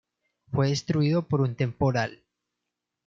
Fue destruido por un temporal.